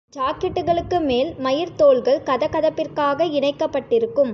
ஜாக்கெட்டுகளுக்கு மேல், மயிர்த் தோல்கள் கதகதப்பிற்காக இணைக்கப்பட்டிருக்கும்.